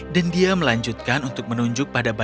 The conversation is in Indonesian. dan dia melanjutkan untuk menunjuk pada ayah